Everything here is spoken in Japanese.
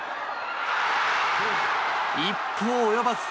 一歩及ばず。